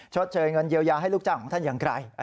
ชดเชยเงินเยียวยาให้ลูกจ้างของท่านอย่างไกล